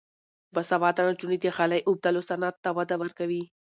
باسواده نجونې د غالۍ اوبدلو صنعت ته وده ورکوي.